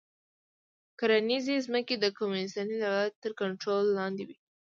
کرنیزې ځمکې د کمونېستي دولت تر کنټرول لاندې وې